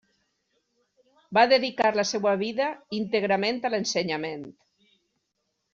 Va dedicar la seva vida íntegrament a l’ensenyament.